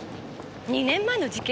２年前の事件？